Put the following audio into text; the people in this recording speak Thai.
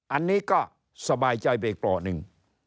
อันนี้ก็สบายใจไปอีกเปราะหนึ่ง